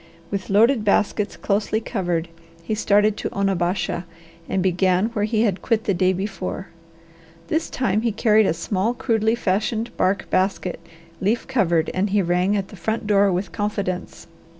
With loaded baskets closely covered, he started to Onabasha, and began where he had quit the day before. This time he carried a small, crudely fashioned bark basket, leaf covered, and he rang at the front door with confidence.